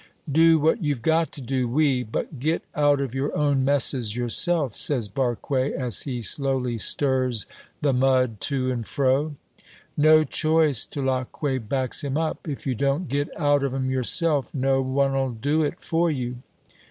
"Do what you've got to do, oui, but get out of your own messes yourself," says Barque, as he slowly stirs the mud to and fro. "No choice" Tulacque backs him up. "If you don't get out of 'em yourself, no one'll do it for you."